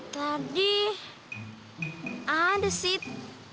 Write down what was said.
tadi ada sih